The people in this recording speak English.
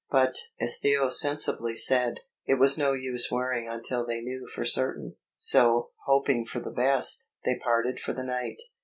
But, as Theo sensibly said, it was no use worrying until they knew for certain; so, hoping for the best, they parted for the night.